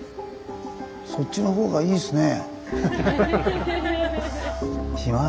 そっちの方がいいですね。